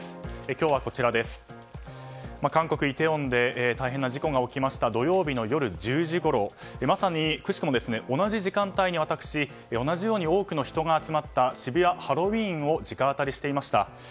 今日は、韓国イテウォンで大変な事故が起きました土曜日の夜１０時ごろまさにくしくも同じ時間帯に私、同じように人が多く集まった渋谷ハロウィーンを直アタリしていました。